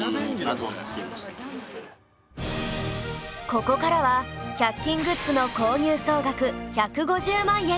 ここからは１００均グッズの購入総額１５０万円